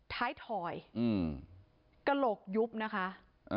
ท้ายถอยกลกยุบนะครับ